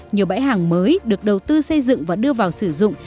nhiều bãi hàng mới được đầu tư xây dựng và đưa vào sử dụng